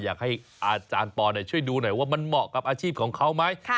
อยากให้อาจารย์ปอช่วยดูหน่อยว่ามันเหมาะกับอาชีพของเขาไหม